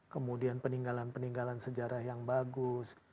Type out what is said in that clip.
kemudian peninggalan peninggalan sejarah yang bagus